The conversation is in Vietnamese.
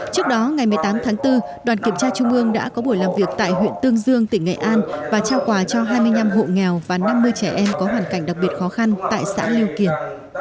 trước đó ngày một mươi tám tháng bốn đoàn kiểm tra trung ương đã có buổi làm việc tại huyện tương dương tỉnh nghệ an và trao quà cho hai mươi năm hộ nghèo và năm mươi trẻ em có hoàn cảnh đặc biệt khó khăn tại xã liêu kiển